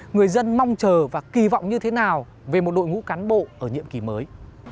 người dân mong chờ và kỳ vọng như thế nào về một đội ngũ cán bộ ở nhiệm kỳ mới